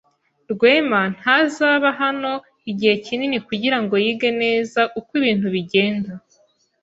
Rwema ntazaba hano igihe kinini kugirango yige neza uko ibintu bigenda.